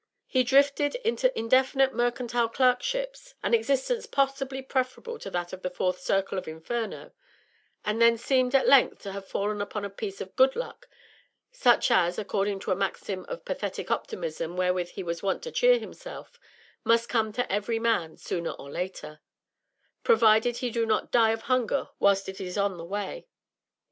He drifted into indefinite mercantile clerkships, an existence possibly preferable to that of the fourth circle of Inferno, and then seemed at length to have fallen upon a piece of good luck, such as, according to a maxim of pathetic optimism wherewith he was wont to cheer himself, must come to every man sooner or later provided he do not die of hunger whilst it is on the way.